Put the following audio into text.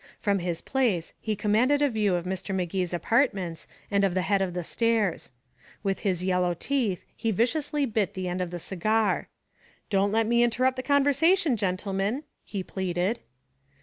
From his place he commanded a view of Mr. Magee's apartments and of the head of the stairs. With his yellow teeth he viciously bit the end from the cigar. "Don't let me interrupt the conversation, gentlemen," he pleaded.